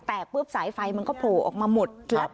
แตกปุ๊บสายไฟมันก็โผล่ออกมาหมดครับ